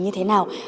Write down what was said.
như thế này